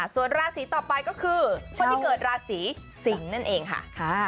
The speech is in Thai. ส่วนราศีต่อไปก็คือคนที่เกิดราศีสิงศ์นั่นเองค่ะ